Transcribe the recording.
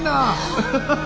ハハハハ。